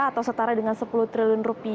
atau setara dengan sepuluh triliun rupiah